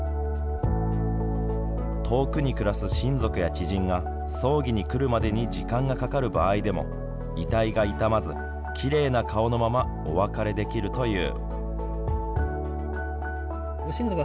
遠くに暮らす親族や知人が葬儀に来るまでに時間がかかる場合でも遺体が傷まずきれいな顔のままお別れできるという。